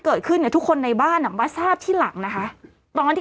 เกิดขึ้นเนี่ยทุกคนในบ้านอ่ะมาทราบที่หลังนะคะตอนที่